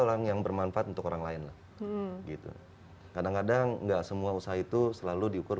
orang yang bermanfaat untuk orang lain lah gitu kadang kadang enggak semua usaha itu selalu diukur